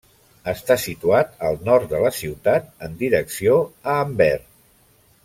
Està situat al nord de la ciutat en direcció a Amber.